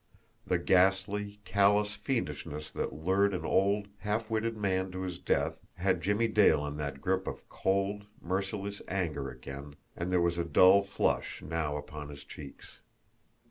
The ghastly, callous fiendishness that lured an old, half witted man to his death had Jimmie Dale in that grip of cold, merciless anger again, and there was a dull flush now upon his cheeks.